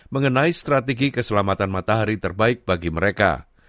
mengenai strategi keselamatan matahari terbaik bagi mereka